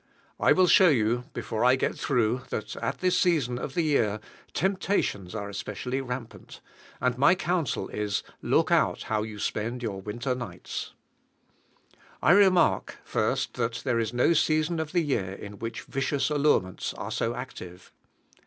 I will show you before I get through that, at this season of the year, temptations are especially rampant: and my counsel is, Look out how you spend your winter nights! I remark, first, that there is no season of the year in which vicious allurements are so active.